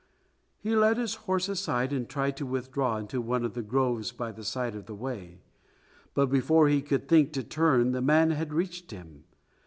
He led his horse aside and tried to withdraw into one of the groves by the side of the way, but before he could think to turn the man had reached him.